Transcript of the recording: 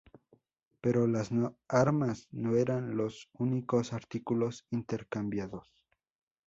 Pero las armas no eran los únicos artículos intercambiados.